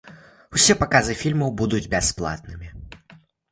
Усе паказы фільмаў будуць бясплатнымі.